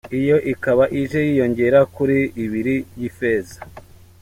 Iyo ikaba ije yiyongera kuri ibiri y'ifeza.